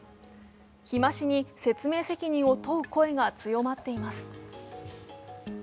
日増しに、説明責任を問う声が強まっています。